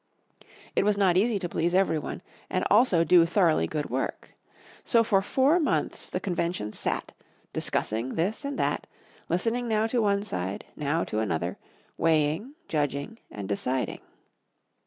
It was not easy to please every one, and also do thoroughly good work. So for four months the Convention sat, discussing this and that, listening now to one side, now to another, weighing, judging and deciding.